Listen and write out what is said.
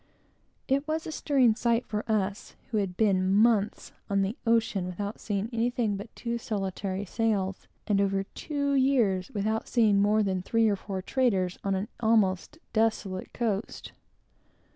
It was a stirring sight for us, who had been months on the ocean without seeing anything but two solitary sails; and over two years without seeing more than the three or four traders on an almost desolate coast.